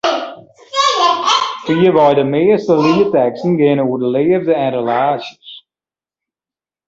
Fierwei de measte lietteksten geane oer de leafde en relaasjes.